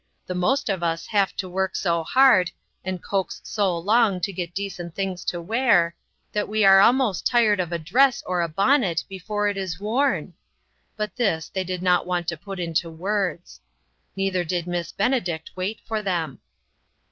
The most of us have to work so hard, and coax so long to get decent things to wear, that we are almost tired of a dress or a bonnet before it is worn. But this they did not want to put into words. Neither did Miss Benedict wait for them.